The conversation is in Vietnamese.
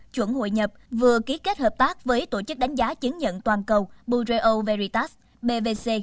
chuẩn hội nhập vừa ký kết hợp tác với tổ chức đánh giá chứng nhận toàn cầu bureo veritas bvc